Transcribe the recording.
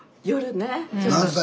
何歳？